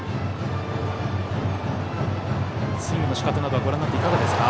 スイングのしかたなどご覧になっていかがですか？